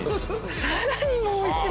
さらにもう一枚！